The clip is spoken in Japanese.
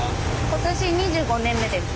今年２５年目です。